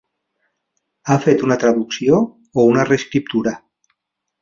Ha fet una traducció, o una reescriptura?